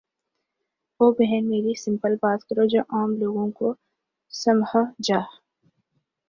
او بہن میری سمپل بات کرو جو عام لوگوں کو سمحجھ